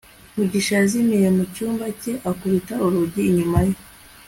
mugisha yazimiye mu cyumba cye, akubita urugi inyuma ye